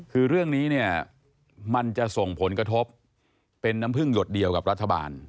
คือเรื่องนี้เนี่ยมันจะส่งผลกระทบเป็นน้ำพึ่งหยดเดียวกับรัฐบาล